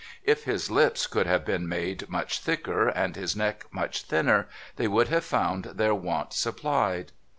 If his lips could have been made much thicker, and his neck much thinner, they would have found their want supplied.